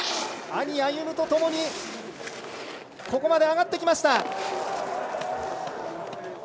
兄・歩夢とともにここまで上がってきました。